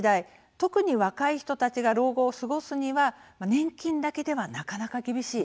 特に、若い人たちが老後を過ごすには年金だけでは、なかなか厳しい。